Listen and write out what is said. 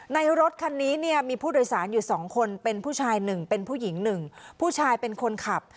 รถคันนี้เนี่ยมีผู้โดยสารอยู่สองคนเป็นผู้ชายหนึ่งเป็นผู้หญิงหนึ่งผู้ชายเป็นคนขับ